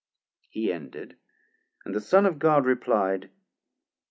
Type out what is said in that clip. He ended, and the Son of God reply'd.